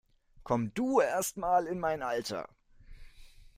Komm du erst mal in mein Alter!